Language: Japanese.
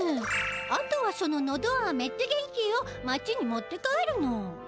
あとはそのノドアーメッチャゲンキーを町に持って帰るの。